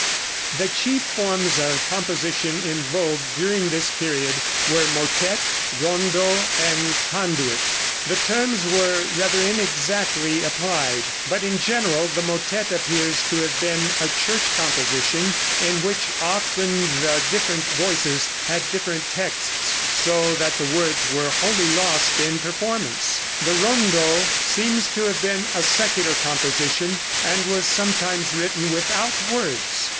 The chief forms of composition in vogue during this period were motette, rondo and conduit. The terms were rather inexactly applied, but in general the motette appears to have been a church composition, in which often the different voices had different texts, so that the words were wholly lost in performance. The rondo seems to have been a secular composition, and was sometimes written without words.